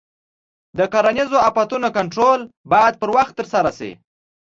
د کرنیزو آفتونو کنټرول باید پر وخت ترسره شي.